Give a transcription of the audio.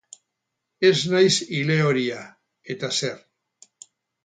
Ez naiz ilehoria, eta zer?